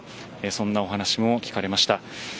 そんなお話も聞かれました。